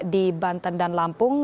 di banten dan lampung